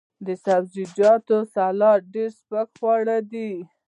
د سبزیجاتو سلاد ډیر سپک خواړه دي.